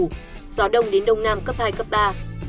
gió đông đến đông nam cấp hai cấp ba